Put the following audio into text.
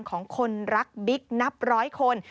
ของคนรักบิ๊กนับร้อยคน